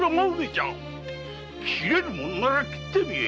斬れるものなら斬ってみい！